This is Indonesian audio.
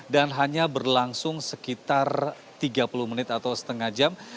dan hanya berlangsung sekitar tiga puluh menit atau setengah jam